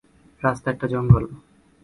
রাস্তা একটা জঙ্গল।